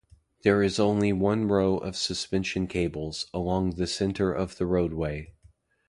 There is only one row of suspension cables, along the centre of the roadway.